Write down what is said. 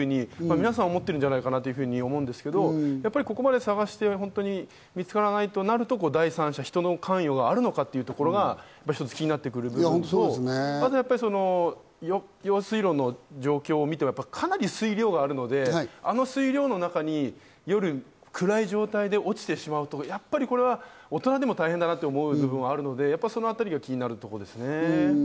皆さんも思ってるんじゃないかなと思うんですけど、ここまで捜して見つからないとなると、第三者、人の関与があるのかというところが一つ気になってくるところと、あと用水路の状況を見ても、かなり水量があるので、あの水量の中に夜、暗い状態で落ちてしまうとやっぱり大人でも大変だなと思う部分はあるので、そのあたりが気になるところですね。